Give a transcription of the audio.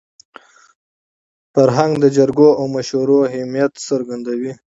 فرهنګ د جرګو او مشورو اهمیت څرګندوي.